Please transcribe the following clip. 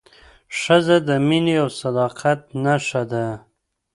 ښځه د مینې او صداقت نښه ده.